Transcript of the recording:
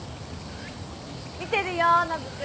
見てるよノブ君。